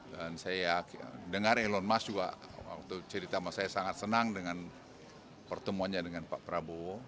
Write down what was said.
dan saya dengar elon musk juga waktu cerita sama saya sangat senang dengan pertemunya dengan pak prabowo